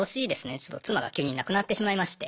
ちょっと妻が急に亡くなってしまいまして。